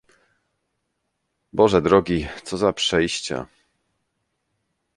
"Boże drogi, co za przejścia!"